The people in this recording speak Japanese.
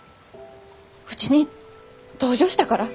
うちに同情したから？